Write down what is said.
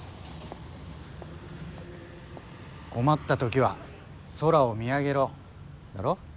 「困った時は空を見上げろ」だろ？